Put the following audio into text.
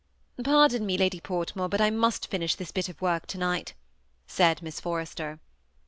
^ Pardon me. Lady Portmore, but I must finish this bit of work to night," said Miss Forrester.